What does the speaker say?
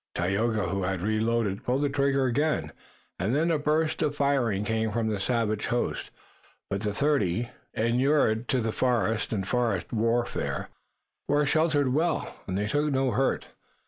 Tayoga, who had reloaded, pulled trigger again and then a burst of firing came from the savage host. But the thirty, inured to the forest and forest warfare, were sheltered well, and they took no hurt.